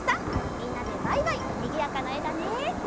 みんなでワイワイにぎやかなえだね。